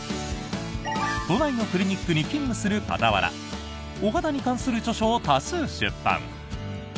都内のクリニックに勤務する傍らお肌に関する著書を多数出版。